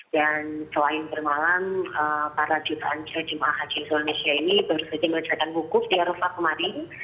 dan selain bermalam para jutaan jemaah haji asal malaysia ini bersejil melancarkan bukuk di arabah kemarin